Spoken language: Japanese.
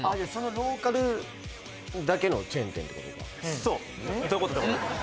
ローカルのチェーン店ってこと？